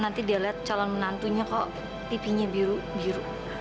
nanti dia lihat calon menantunya kok pipinya biru biru